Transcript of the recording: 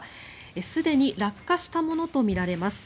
すでに落下したものとみられます。